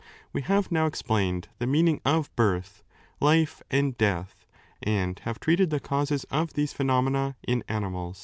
We have now explained the meaning of birth, life, and death, and have treated the causes of these phenomena in animals.